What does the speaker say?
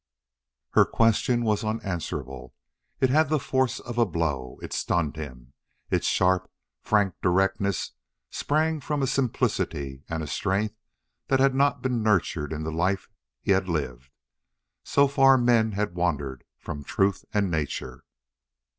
Her question was unanswerable. It had the force of a blow. It stunned him. Its sharp, frank directness sprang from a simplicity and a strength that had not been nurtured in the life he had lived. So far men had wandered from truth and nature!